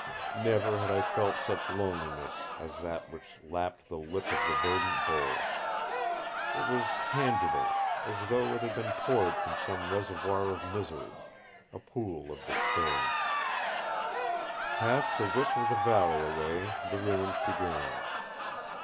Never had I felt such loneliness as that which lapped the lip of the verdant bowl. It was tangible as though it had been poured from some reservoir of misery. A pool of despair Half the width of the valley away the ruins began.